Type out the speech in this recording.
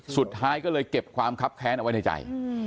สุดท้ายก็เลยเก็บความคับแค้นเอาไว้ในใจ